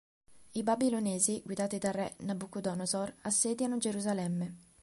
I Babilonesi, guidati dal re Nabucodonosor, assediano Gerusalemme.